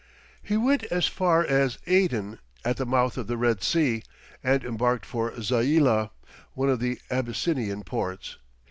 He went as far as Aden, at the mouth of the Red Sea, and embarked for Zaila, one of the Abyssinian ports.